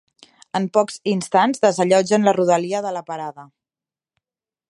En pocs instants desallotgen la rodalia de la parada.